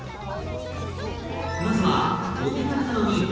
まずはお手軽なのに本格的。